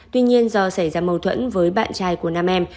tuy nhiên do xảy ra mâu thuẫn với bạn trai của nam em